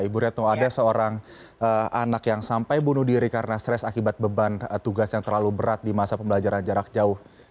ibu retno ada seorang anak yang sampai bunuh diri karena stres akibat beban tugas yang terlalu berat di masa pembelajaran jarak jauh